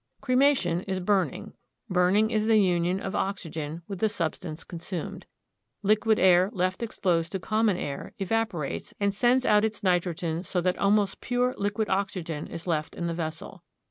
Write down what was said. Cremation is burning. Burning is the union of oxygen with the substance consumed. Liquid air left exposed to common air evaporates and sends out its nitrogen so that almost pure liquid oxygen is left in the vessel.